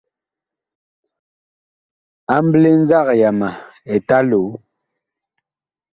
Amɓle nzag yama Eta Loo.